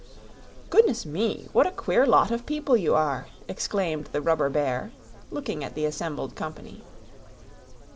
"Goodness me! what a queer lot of people you are," exclaimed the rubber bear, looking at the assembled company.